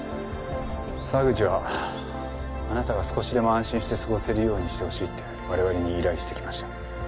沢口はあなたが少しでも安心して過ごせるようにしてほしいって我々に依頼してきました。